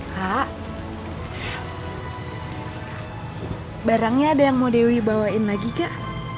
kak barangnya ada yang mau dewi bawain lagi kak